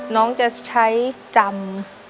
น้องจะใช้จำ